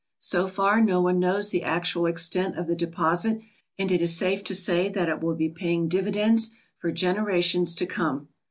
So far no one knows the actual extent of the deposit, and it is safe to say that it will be paying dividends for generations to come."